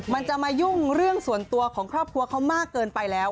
มันจะมายุ่งเรื่องส่วนตัวของครอบครัวเขามากเกินไปแล้ว